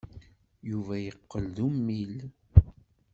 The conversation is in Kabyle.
Yuba yeqqel d ummil.